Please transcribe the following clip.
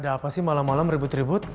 ada apa sih malam malam ribut ribut